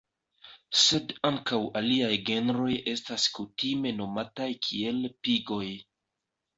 Sed ankaŭ aliaj genroj estas kutime nomataj kiel "pigoj".